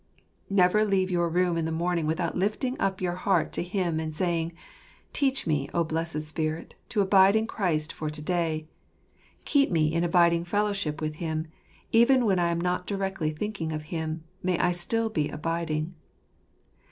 Never leave your room in the morning without lifting up your heart to Him and saying, "Teach me, O blessed Spirit, to abide in Christ for to day: keep me in abiding fellowship with Him ; even when I am not directly thinking of Him, may I be still abiding."